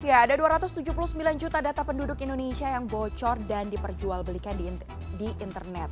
ya ada dua ratus tujuh puluh sembilan juta data penduduk indonesia yang bocor dan diperjualbelikan di internet